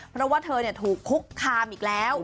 เพราะว่าเธอถูกคุกคามอีกแล้ว